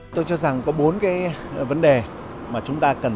tôi cho rằng có bốn cái vấn đề mà chúng ta cần